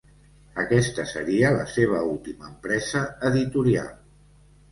Aquesta seria la seva última empresa editorial.